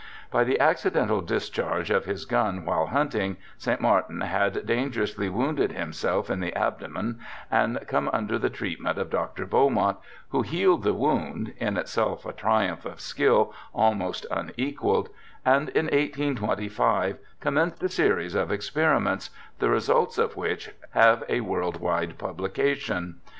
By the accidental discharge of his gun, while hunting, St. Martin had dangerously wounded himself in the abdomen and came under the treatment of Dr. Beaumont, who healed the wound (in itself a triumph of skill almost unequalled) and in 1825 commenced a series of experiments, the results of which have a world wide publication.